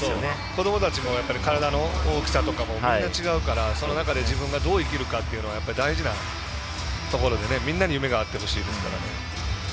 子どもたちも体の大きさがみんな違うから、その中で自分がどうできるかっていうのが大事だから、みんなに夢があってほしいですからね。